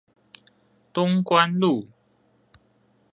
東關路